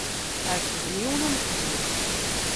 Ɛettben yiwen umeḥbus.